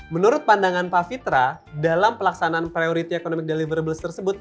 menurut pandangan pak fitra dalam pelaksanaan priority economic deliverables tersebut